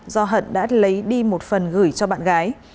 do hận đã lấy đi một phần gửi cho bạn gái